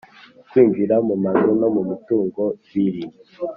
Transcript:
d Kwinjira mu mazu no mu mitungo biri